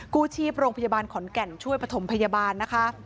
กู้ชีพโรงพยาบาลขอนแก่นช่วยประถมพยาบาลนะคะ